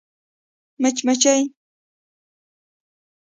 🐝 مچمچۍ